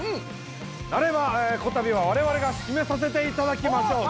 なればこたびは我々が締めさせていただきましょう！